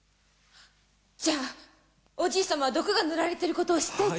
じゃあおじいさまは毒が塗られてることを知っていて。